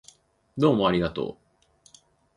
どうもありがとう